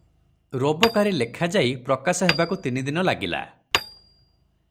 ରୋବକାରୀ ଲେଖାଯାଇ ପ୍ରକାଶ ହେବାକୁ ତିନିଦିନ ଲାଗିଲା ।